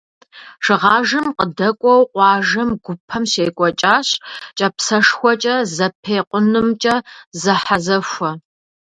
Шыгъажэм къыдэкӏуэу къуажэм гупэм щекӏуэкӏащ кӏапсэшхуэкӏэ зэпекъунымкӏэ зэхьэзэхуэ.